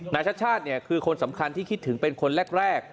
ชาติชาติคือคนสำคัญที่คิดถึงเป็นคนแรก